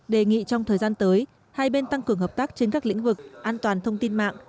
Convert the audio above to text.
đề nghị trong thời gian tới hai bên tăng cường hợp tác trên các lĩnh vực an toàn thông tin mạng